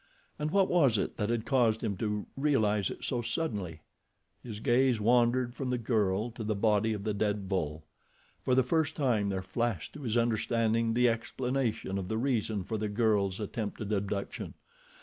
And what was it that had caused him to realize it so suddenly? His gaze wandered from the girl to the body of the dead bull. For the first time there flashed to his understanding the explanation of the reason for the girl's attempted abduction.